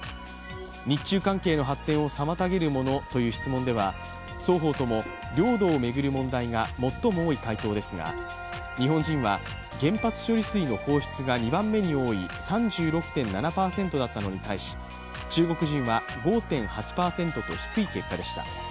日中関係の発展を妨げるものという質問では双方とも領土を巡る問題が最も多い回答ですが日本人は、原発処理水の放出が２番目に多い３６．７％だったのに対し、中国人は５．８％と低い結果でした。